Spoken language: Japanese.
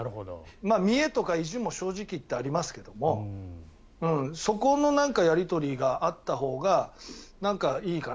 見えとか意地も正直言ってありますけどもそこのやり取りがあったほうがなんかいいかな。